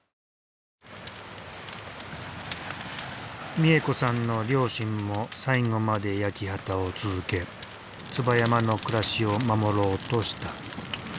美恵子さんの両親も最後まで焼き畑を続け椿山の暮らしを守ろうとした。